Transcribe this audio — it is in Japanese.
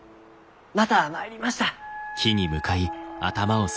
また参りました。